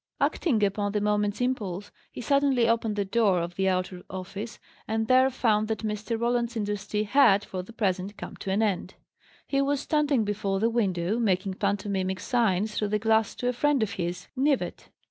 Acting upon the moment's impulse, he suddenly opened the door of the outer office, and there found that Mr. Roland's industry had, for the present, come to an end. He was standing before the window, making pantomimic signs through the glass to a friend of his, Knivett.